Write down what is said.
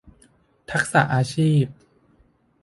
ทักษะอาชีพ